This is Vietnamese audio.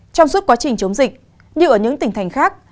trong suốt quá trình chống dịch như ở những tỉnh thành khác